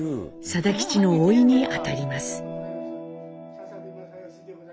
定吉のおいにあたります。